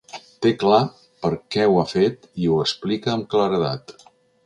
Té clar per què ho ha fet i ho explica amb claredat.